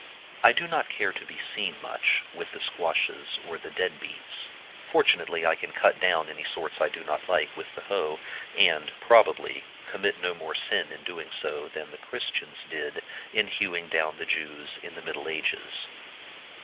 I do not care to be seen much with the squashes or the dead beets. Fortunately I can cut down any sorts I do not like with the hoe, and, probably, commit no more sin in so doing than the Christians did in hewing down the Jews in the Middle Ages.